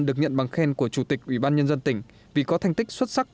được nhận bằng khen của chủ tịch ủy ban nhân dân tỉnh vì có thành tích xuất sắc